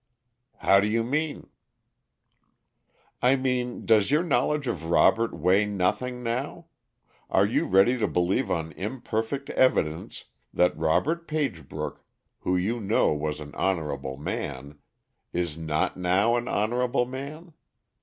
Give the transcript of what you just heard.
"How do you mean?" "I mean does your knowledge of Robert weigh nothing now? Are you ready to believe on imperfect evidence, that Robert Pagebrook, who you know was an honorable man, is not now an honorable man?